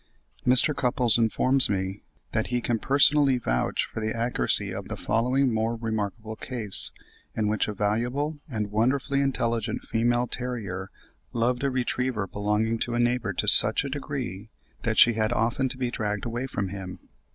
Mr. Cupples informs me that he can personally vouch for the accuracy of the following more remarkable case, in which a valuable and wonderfully intelligent female terrier loved a retriever belonging to a neighbour to such a degree, that she had often to be dragged away from him.